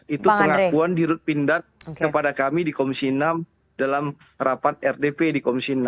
itu pengakuan di rutindak kepada kami di komisi enam dalam rapat rdp di komisi enam